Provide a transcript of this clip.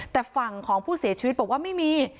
แต่ฝั่งของผู้เสียชีวิตบอกว่าไม่มี